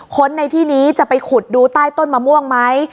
ค้นในที่นี้จะไปขุดดูใต้ต้นมะม่วงไหม